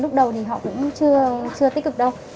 lúc đầu thì họ cũng chưa tích cực đâu